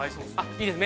◆いいですね。